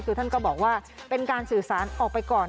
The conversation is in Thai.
คือท่านก็บอกว่าเป็นการสื่อสารออกไปก่อน